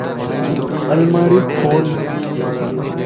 الماري کول